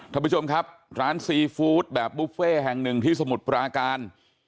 ท่านประธานร้านซีฟู้ดแบบบุฟเฟ่แห่งหนึ่งที่สมุทรปราการ